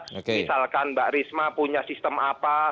misalkan mbak risma punya sistem apa